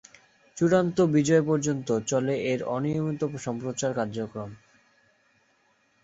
চূড়ান্ত বিজয় পর্যন্ত চলে এর অনিয়মিত সম্প্রচার কার্যক্রম।